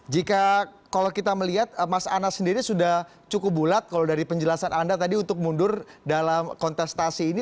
jika kalau kita melihat mas anas sendiri sudah cukup bulat kalau dari penjelasan anda tadi untuk mundur dalam kontestasi ini